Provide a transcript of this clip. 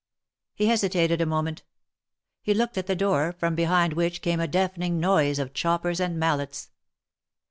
" He hesitated a moment. He looked at the door, from behind which came a deafening noise of choppers and mallets.